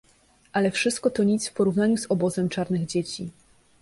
"Ale wszystko to nic w porównaniu z obozem czarnych dzieci."